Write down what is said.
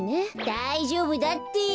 だいじょうぶだって！